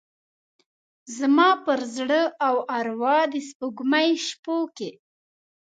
زما پر زړه او اروا د سپوږمۍ شپوکې،